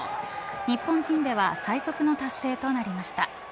日本人では最速の達成となりました。